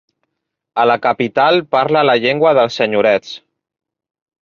A la capital parla la llengua dels senyorets.